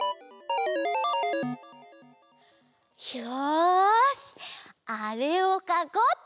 よしあれをかこうっと！